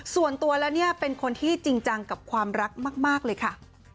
ส่วนตัวแล้วเนี่ยเป็นคนที่จริงจังกับความรักมากเลยค่ะ